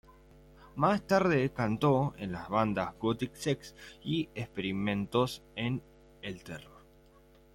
Más tarde cantó en las bandas Gothic Sex y Experimentos en el Terror.